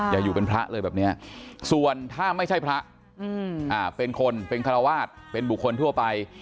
อย่าอยู่เป็นพระเลยแบบนี้ส่วนถ้าไม่ใช่พระเป็นคนเป็นคารวาสเป็นบุคคลทั่วไป